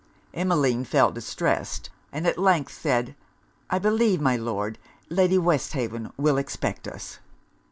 Emmeline felt distressed; and at length said 'I believe, my Lord, Lady Westhaven will expect us.'